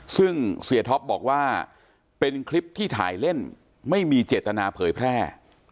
ซึ่งเสียท็อปบอกว่าเป็นคลิปที่ถ่ายเล่นไม่มีเจตนาเผยแพร่